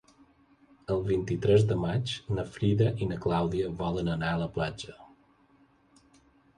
El vint-i-tres de maig na Frida i na Clàudia volen anar a la platja.